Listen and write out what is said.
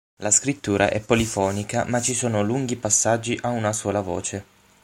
La scrittura è polifonica, ma ci sono lunghi passaggi a una sola voce.